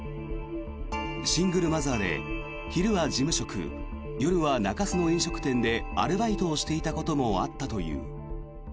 シングルマザーで昼は事務職夜は中洲の飲食店でアルバイトをしていたこともあったという。